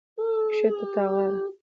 کښېنه تاغاره